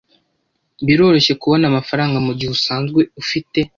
Biroroshye kubona amafaranga mugihe usanzwe ufite.